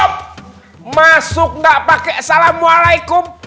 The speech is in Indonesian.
pak ustadz assalamu'alaikum